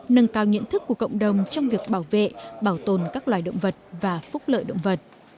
nâng cao nhận thức của cộng đồng trong việc bảo vệ bảo tồn các loài động vật và phát triển các loài gấu